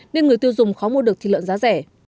nên người tiêu dùng khó mua được thịt lợn giá rẻ